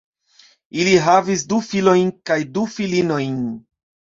Ili havis du filojn kaj du filinojn.